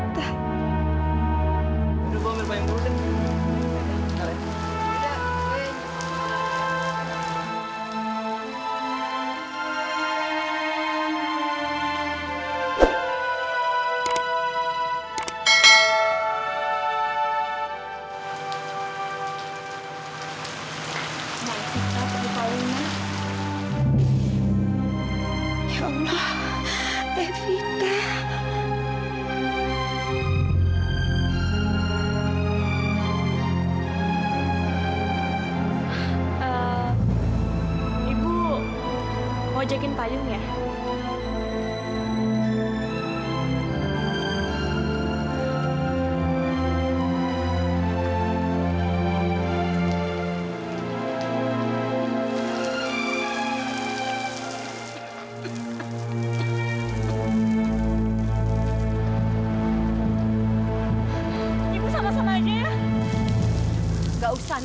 tidak akan pernah berhenti mencintai kamu